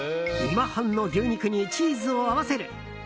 今半の牛肉にチーズを合わせる。